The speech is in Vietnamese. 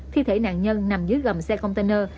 thi thể nạn nhân nằm dưới gầm xe container